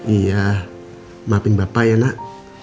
iya maafin bapak ya nak